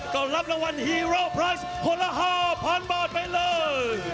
ก็รับละวันฮีโรปรายซ์โฮนาฮาวพันบาทไปเลย